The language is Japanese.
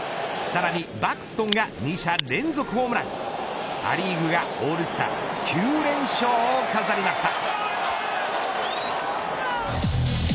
さらにバクストンが２者連続ホームランア・リーグが、オールスター９連勝を飾りました。